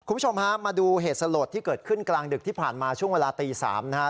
คุณผู้ชมฮะมาดูเหตุสลดที่เกิดขึ้นกลางดึกที่ผ่านมาช่วงเวลาตี๓นะฮะ